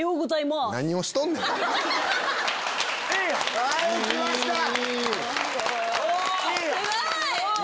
すごい！